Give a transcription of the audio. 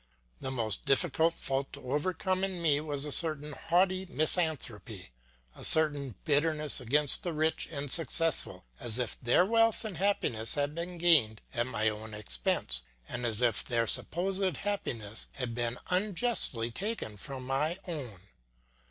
The most difficult fault to overcome in me was a certain haughty misanthropy, a certain bitterness against the rich and successful, as if their wealth and happiness had been gained at my own expense, and as if their supposed happiness had been unjustly taken from my own.